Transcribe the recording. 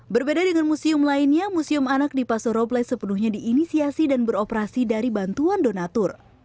berbeda dengan museum lainnya museum anak di pasoroples sepenuhnya diinisiasi dan beroperasi dari bantuan donatur